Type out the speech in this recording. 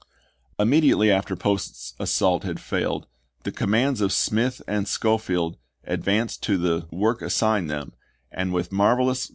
Immediately after Post's assault had failed, the commands of Smith and Schofield advanced to the Hood, ' Advance and Retreat," p.